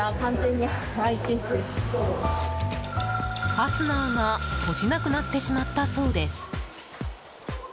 ファスナーが閉じなくなってしまったそうです。